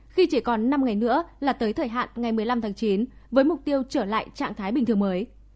khi chỉ còn năm ngày nữa là tới thời hạn ngày một mươi năm tháng chín với mục tiêu trở lại trạng thái bình thường mới